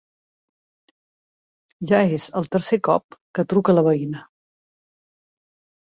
Ja és el tercer cop que truca la veïna...